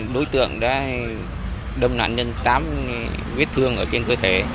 đối tượng đã đâm nạn nhân tám vết thương ở trên cơ thể